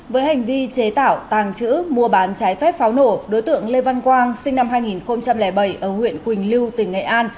với hành vi chế tạo tàng trữ mua bán trái phép pháo nổ đối tượng lê văn quang sinh năm hai nghìn bảy ở huyện quỳnh lưu tỉnh nghệ an